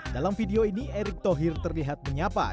dalam video ini erick thohir terlihat menyapa